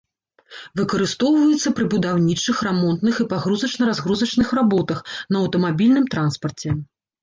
Выкарыстоўваюцца пры будаўнічых, рамонтных і пагрузачна-разгрузачных работах, на аўтамабільным транспарце.